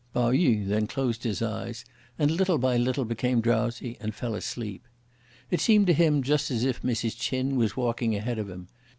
Pao yü then closed his eyes, and, little by little, became drowsy, and fell asleep. It seemed to him just as if Mrs. Ch'in was walking ahead of him.